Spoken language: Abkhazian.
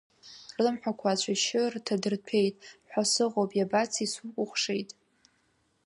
Рлымҳақәа ацәашьы рҭадырҭәеит ҳәа сыҟоуп, иабацеи сукәыхшеит?